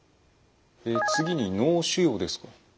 次に脳腫瘍です。